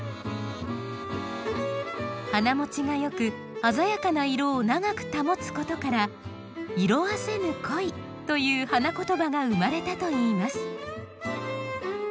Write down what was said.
花もちがよく鮮やかな色を長く保つことから「色あせぬ恋」という花言葉が生まれたといいます。